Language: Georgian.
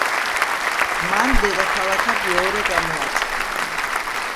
მან დედაქალაქად ლორე გამოაცხადა.